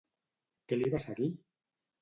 Què li va seguir?